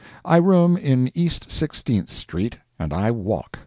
I room in East Sixteenth street, and I walk.